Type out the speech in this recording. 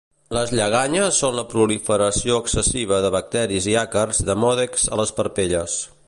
Les lleganyes són la proliferació excessiva de bacteris i àcars demodex a les parpelles